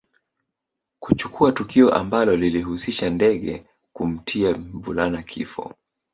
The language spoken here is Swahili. Kuchukua tukio ambalo lilihusisha ndege kumtia mvulana kifo